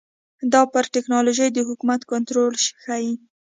دا پر ټکنالوژۍ د حکومت کنټرول ښيي.